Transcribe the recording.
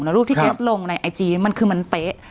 รูปที่เกสลงในไอจีมันคือมันเป๊ะ